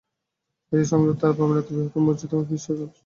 এটি সংযুক্ত আরব আমিরাতের বৃহত্তম মসজিদ এবং বিশ্বের অষ্টম বৃহত্তম মসজিদ।